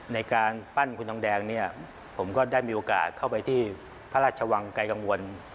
ในการปั้นคุณทองแดงเนี่ยผมก็ได้มีโอกาสเข้าไปที่พระราชวังไกลกังวล